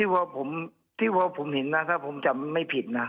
ครับที่ว่าผมเห็นนะถ้าผมจำไม่ผิดนะ